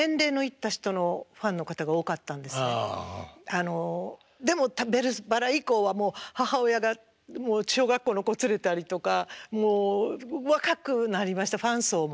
あのでも「ベルばら」以降はもう母親がもう小学校の子連れたりとかもう若くなりましたファン層も。